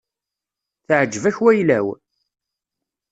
Teεǧeb-ak wayla-w?